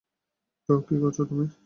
Bro, কী করছো তুমি?